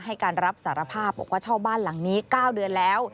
ให้การรับสารภาพบอกว่าเช่าบ้านหลังนี้๙เดือนแล้ว